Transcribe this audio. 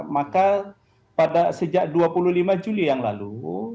maka pada sejak dua puluh lima juli yang lalu